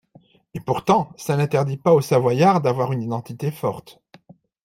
Et, pourtant, ça n’interdit pas aux Savoyards d’avoir une identité forte.